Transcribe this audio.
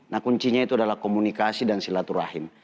nah kuncinya itu adalah komunikasi dan silaturahim